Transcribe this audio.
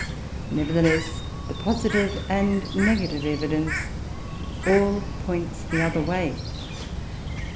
Nevertheless, the positive and negative evidence all points the other way.